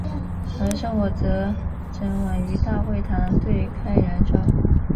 而圣火则整晚于大会堂对开燃烧。